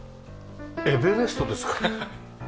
エベレストですか？